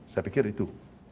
saya pikir itu